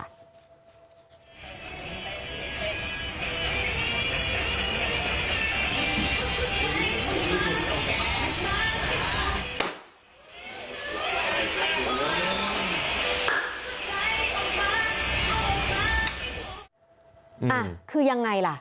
อ่ะคือยังไงล่ะ